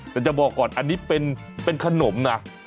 แต่จะบอกก่อนอันนี้เป็นขนมนะ